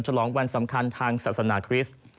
ฉลองวันสำคัญทางศาสนาคริสต์